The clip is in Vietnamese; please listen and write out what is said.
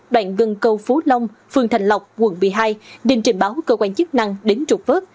đoạn gần cầu phú long phường thành lộc quận một mươi hai đình trình báo cơ quan chức năng đến trục vớt